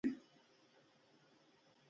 بامیان د افغانستان د جغرافیې بېلګه ده.